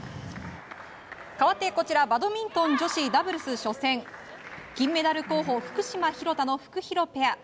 かわってバドミントン女子ダブルス初戦金メダル候補福島、廣田のフクヒロペア。